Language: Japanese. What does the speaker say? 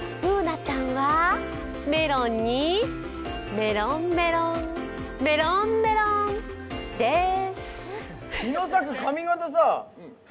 Ｂｏｏｎａちゃんはメロンにメロンメロンメロンメロンです。